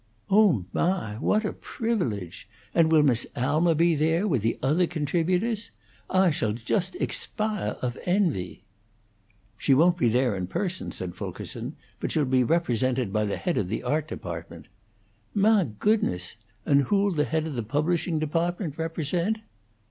"Oh, mah! What a privilege! And will Miss Alma be there, with the othah contributors? Ah shall jost expah of envy!" "She won't be there in person," said Fulkerson, "but she'll be represented by the head of the art department." "Mah goodness! And who'll the head of the publishing department represent?"